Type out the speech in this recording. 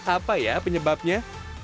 apa ya penyebabnya